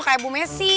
kayak bu messi